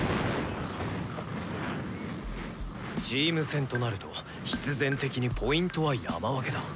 チーム戦となると必然的にＰは「山分け」だ。